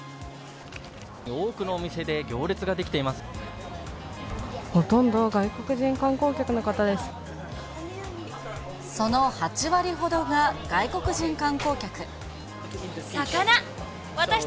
多くのお店で行列が出来ていほとんど外国人観光客の方でその８割ほどが外国人観光客。